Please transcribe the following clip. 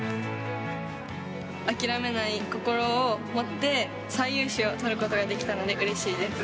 諦めない心を持って、最優秀を取ることができたので、うれしいです。